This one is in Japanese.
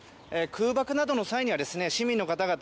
空爆などの際には市民の方々